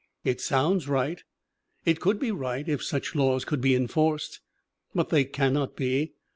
It sounds right. It would be right if such laws could be enforced. But they cannot be.